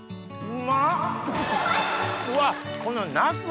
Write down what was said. うわっこのナス。